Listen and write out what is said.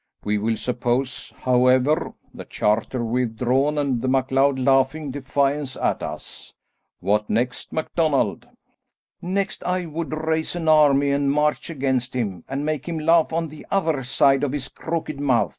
We will suppose, however, the charter withdrawn and the MacLeod laughing defiance at us. What next, MacDonald?" "Next! I would raise an army and march against him and make him laugh on the other side of his crooked mouth."